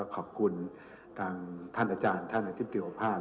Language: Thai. ขอบคุณท่านอาจารย์ท่านอาจิปติวภาพ